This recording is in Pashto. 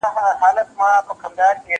زه اوږده وخت لوښي پرېولم وم،